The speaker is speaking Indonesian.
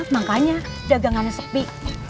makanya dagangannya sepi